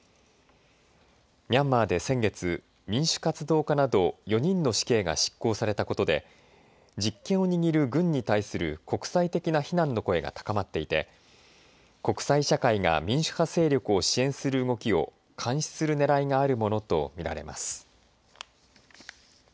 ミャンマーで先月民主活動家など４人の死刑が執行されたことで実権を握る軍に対する国際的な非難の声が高まっていて国際社会が民主派勢力を支援する動きを監視する狙いがあるものとみられます。